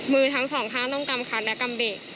มือทั้งสองข้างต้องกำคัดและกำเบก